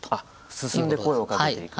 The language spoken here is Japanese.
進んで声をかけていく。